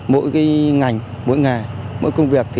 mỗi ngành mỗi ngày mỗi công việc